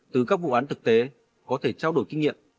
từ các vụ án thực tế có thể trao đổi kinh nghiệm